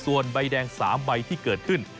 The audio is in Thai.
ส่วนใบแดง๓ใบที่เกิดขึ้น